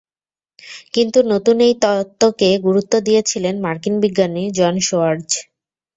কিন্তু নতুন এই তত্ত্বকে গুরুত্ব দিয়েছিলেন মার্কিন বিজ্ঞানী জন সোয়ার্জ।